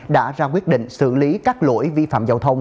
đã ra quyết định xử lý các lỗi vi phạm giao thông